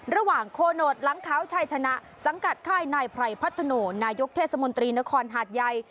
โคโนตหลังขาวชายชนะสังกัดค่ายนายไพรพัฒโนนายกเทศมนตรีนครหาดใหญ่